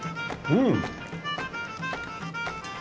うん！